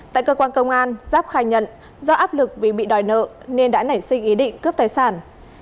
tại cơ quan công an giáp khai nhận do áp lực vì bị đòi nợ nên đã nảy sinh ý định cướp tài sản